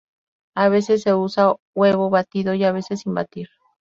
A veces se usa huevo batido, y a veces sin batir.